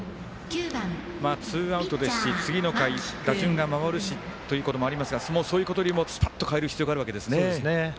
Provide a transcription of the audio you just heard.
ツーアウトですし次の回打順が回るしということもありますがもうそういうことよりもスパッと代える必要があるわけですね。